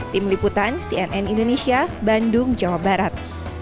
tim liputan cnn indonesia bandung jawa barat